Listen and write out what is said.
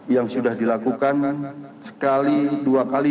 yang sudah dilakukan sekali dua kali